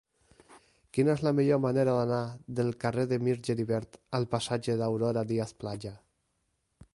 Quina és la millor manera d'anar del carrer de Mir Geribert al passatge d'Aurora Díaz Plaja?